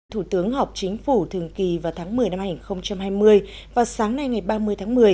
thủ tướng họp chính phủ thường kỳ vào tháng một mươi năm hai nghìn hai mươi và sáng nay ngày ba mươi tháng một mươi